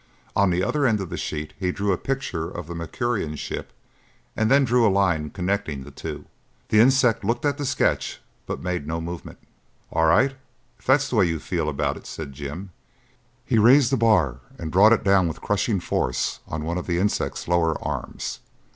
On the other end of the sheet he drew a picture of the Mercurian ship, and then drew a line connecting the two. The insect looked at the sketch but made no movement. "All right, if that's the way you feel about it," said Jim. He raised the bar and brought it down with crushing force on one of the insect's lower arms.